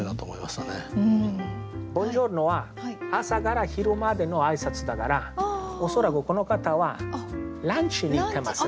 「ボンジョルノ」は朝から昼までの挨拶だから恐らくこの方はランチに行ってますね。